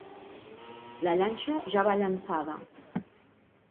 La llanxa ja va llançada.